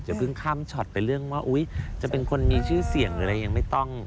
อย่าพึ่งข้ามช็อตไปเรื่องจะเป็นคนมีชื่อเสี่ยงก็ยังไม่ต้อง